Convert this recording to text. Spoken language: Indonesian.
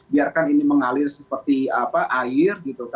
biarkan ini mengalir seperti air